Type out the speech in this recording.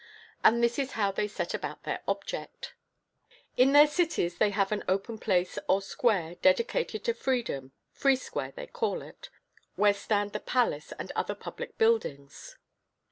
And this is how they set about their object. In their cities they have an open place or square dedicated to Freedom (Free Square they call it), where stand the palace and other public buildings.